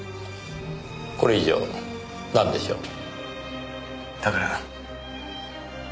これ以上なんでしょう？だから。